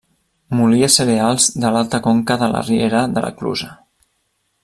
Molia cereals de l'alta conca de la riera de la clusa.